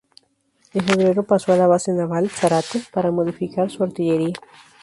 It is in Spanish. En febrero pasó a la Base Naval Zárate para modificar su artillería.